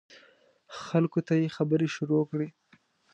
خلکو ته یې خبرې شروع کړې.